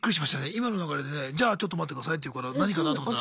今の流れでねじゃあちょっと待ってくださいって言うから何かなと思ったら。